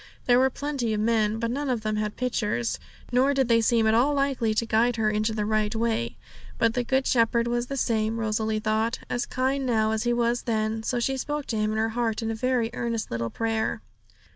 There were plenty of men, but none of them had pitchers, nor did they seem at all likely to guide her into the right way. But the Good Shepherd was the same, Rosalie thought, as kind now as He was then, so she spoke to Him in her heart, in a very earnest little prayer.